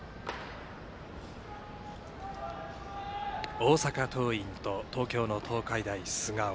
大阪桐蔭と、東京の東海大菅生。